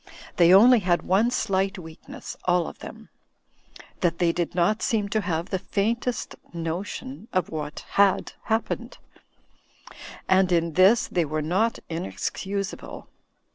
They only had one slight weakness, aH of them; that they did not seem to have the faintest mo tion of what had happened. And in this they were not inexcusable.